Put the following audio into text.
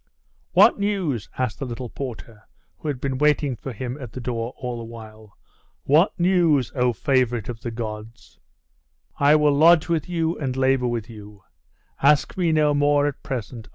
'What news?' asked the little porter, who had been waiting for him at the door all the while. 'What news, O favourite of the gods!' 'I will lodge with you, and labour with you. Ask me no more at present.